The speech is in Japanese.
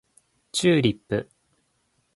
チューリップ